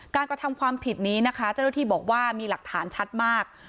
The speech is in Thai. กระทำความผิดนี้นะคะเจ้าหน้าที่บอกว่ามีหลักฐานชัดมาก